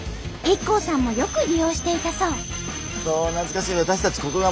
ＩＫＫＯさんもよく利用していたそう。